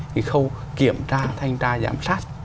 cái khâu kiểm tra thanh tra giám sát